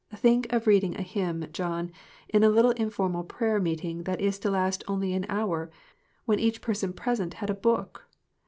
Think of reading a hymn, John, in a little informal prayer meeting that is to last only an hour, when each person present had a book